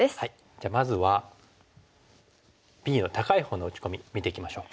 じゃあまずはＢの高いほうの打ち込み見ていきましょう。